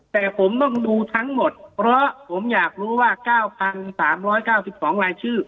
แต่ผมต้องดูทั้งหมดเพราะผมอยากรู้ว่า๙๓๙๒รายชื่อ